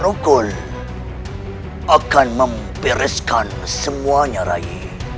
rugul akan mempereskan semuanya rai